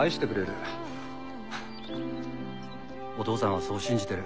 お父さんはそう信じてる。